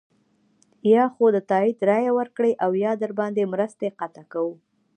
یا خو د تایید رایه ورکړئ او یا درباندې مرستې قطع کوو.